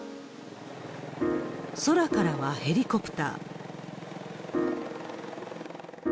空からはヘリコプター。